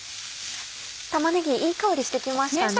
玉ねぎいい香りしてきましたね。